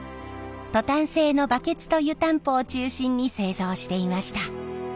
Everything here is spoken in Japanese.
トタン製のバケツと湯たんぽを中心に製造していました。